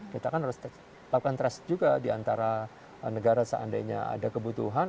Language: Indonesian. kita kan harus lakukan test juga di antara negara seandainya ada kebutuhan